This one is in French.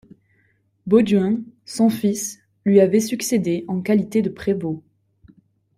Bauduin, son fils, lui avait succédé en qualité de prévôt.